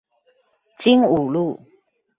精武路